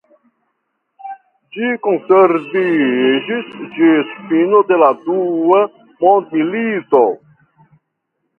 Ĝi konserviĝis ĝis fino de la dua mondmilito.